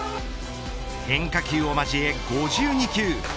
変化球を交え５２球